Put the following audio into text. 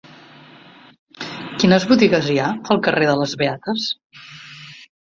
Quines botigues hi ha al carrer de les Beates?